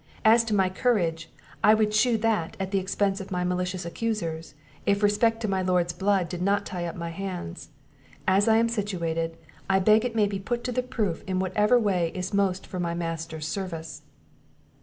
As to my courage, I would shew that at the expence of my malicious accusers, if respect to my Lord's blood did not tie up my hands; as I am situated, I beg it may be put to the proof in whatever way is most for my master's service."